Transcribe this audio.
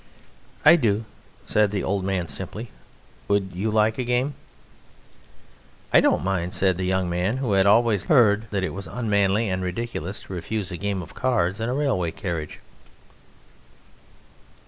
"I do," said the old man simply; "would you like a game?" "I don't mind," said the young man, who had always heard that it was unmanly and ridiculous to refuse a game of cards in a railway carriage.